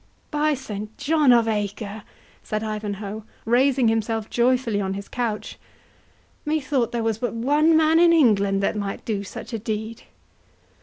"By Saint John of Acre," said Ivanhoe, raising himself joyfully on his couch, "methought there was but one man in England that might do such a deed!"